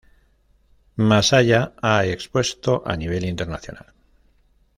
Masaya ha expuesto a nivel internacional.